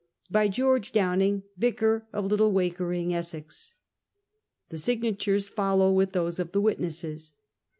/Sij (tEouck Downing, Vicar of Tattle Wakering, Essex. The signatures follow with those of the witnesses.